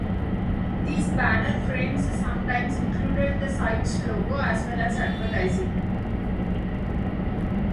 These banner frames sometimes included the site's logo as well as advertising.